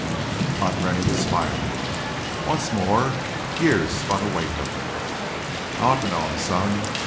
Hunt Rennie was smiling. Once more years spun away from him. "I ought to know him, son.